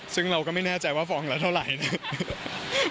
ซึ่งเราก็ไม่แน่ใจว่าฟองละเท่าไหร่นะ